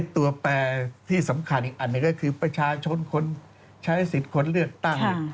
ตัวแปรที่สำคัญอีกอันหนึ่งก็คือประชาชนคนใช้สิทธิ์คนเลือกตั้ง